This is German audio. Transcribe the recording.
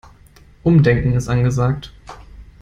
Umdenken ist angesagt.